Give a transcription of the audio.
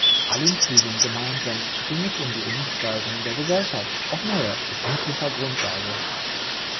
Allen Flügeln gemeinsam ging es um die Umgestaltung der Gesellschaft auf neuer sittlicher Grundlage.